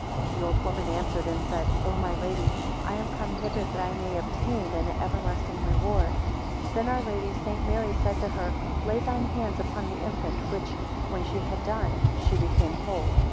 16 The old woman answered, and said, O my Lady, I am come hither that I may obtain an everlasting reward. 17 Then our Lady St. Mary said to her, Lay thine hands upon the infant, which, when she had done, she became whole.